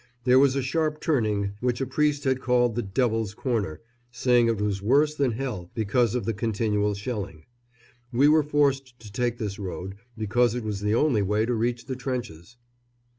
There was a sharp turning which a priest had called the "Devil's Corner," saying it was worse than hell because of the continual shelling. We were forced to take this road, because it was the only way to reach the trenches.